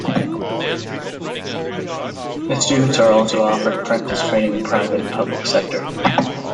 The students are also offered apprentice training in private and public sector.